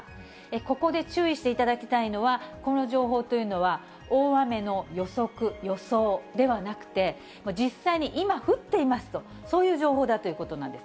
ここで注意していただきたいのは、この情報というのは、大雨の予測、予想ではなくて、実際に今降っていますと、そういう情報だということなんです。